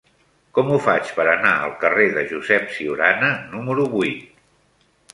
Com ho faig per anar al carrer de Josep Ciurana número vuit?